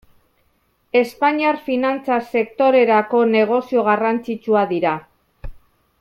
Espainiar finantza sektorerako negozio garrantzitsua dira.